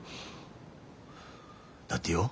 だってよ